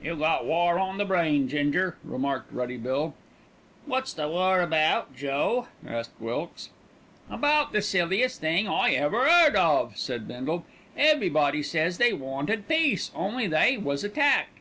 "You got war on the brain, Ginger," remarked Ruddy Bill. "Wot's the war about, Joe?" asked Wilkes. "About the silliest thing I ever 'eard of," said Bindle. "Everybody says they wanted peace, on'y they was attacked.